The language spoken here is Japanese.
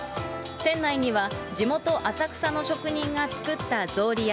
店内には地元、浅草の職人が作った草履や、